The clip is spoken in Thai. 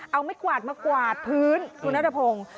เอาไม้กวาดมากวาดพื้นคุณนัทพงศ์